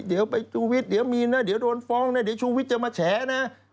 เดี๋ยวไปชูวิทย์เดี๋ยวมีนะเดี๋ยวโดนฟ้องนะเดี๋ยวชูวิทย์จะมาแฉนะ